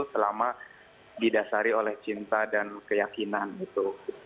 selama didasari oleh cinta dan keyakinan itu